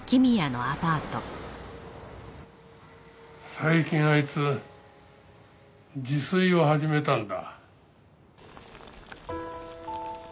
最近あいつ自炊を始めたんだ。